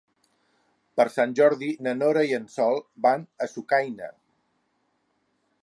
Per Sant Jordi na Nora i en Sol van a Sucaina.